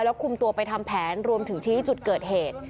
แล้วคุมตัวไปทำแผนรวมถึงชี้จุดเกิดเหตุ